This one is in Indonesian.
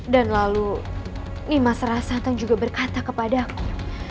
dan lalu nimas rasantang juga berkata kepadaku